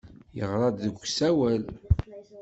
Yeɣra-d deg usawal.